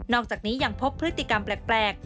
อกจากนี้ยังพบพฤติกรรมแปลก